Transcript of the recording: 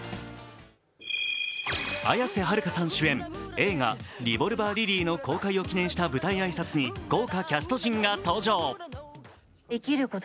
綾瀬はるかさん主演映画「リボルバー・リリー」の公開を記念した舞台挨拶に豪華キャスト陣が登場。